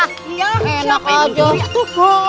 siapa yang mencuri itu